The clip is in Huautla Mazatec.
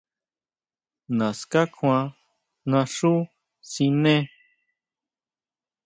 Naská kjuan naxú siné.